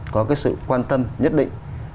có sự quan tâm nhất định